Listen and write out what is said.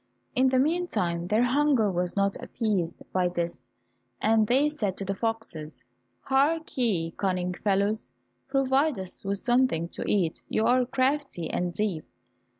In thu meantime their hunger was not appeased by this, and they said to the foxes, "Hark ye, cunning fellows, provide us with something to eat. You are crafty and deep."